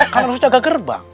karena rasanya agak gerbang